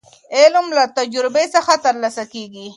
علم له تجربې څخه ترلاسه کيږي.